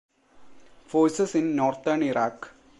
Forces in Northern Iraq.